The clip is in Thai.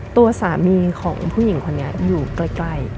ตัวสามีของผู้หญิงคนนี้อยู่ใกล้